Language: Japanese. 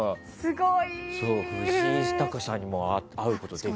藤井隆さんにも会うことができて。